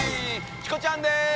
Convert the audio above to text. チコちゃんです。